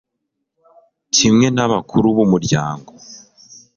kimwe n'abakuru b'umuryango